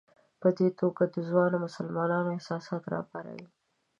په دې توګه د ځوانو مسلمانانو احساسات راپاروي.